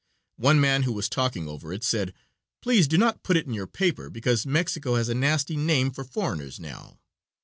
One man who was talking over it said: "Please do not put it in your paper, because Mexico has a nasty name for foreigners now.